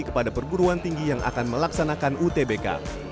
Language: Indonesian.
kepada perguruan tinggi yang akan melaksanakan utbk